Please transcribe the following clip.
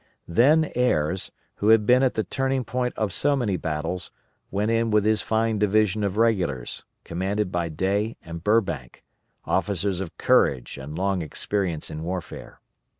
Then Ayres,* who had been at the turning point of so many battles, went in with his fine division of regulars, commanded by Day and Burbank, officers of courage and long experience in warfare.